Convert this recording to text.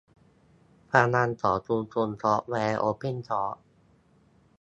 พลังของชุมชนซอฟต์แวร์โอเพนซอร์ส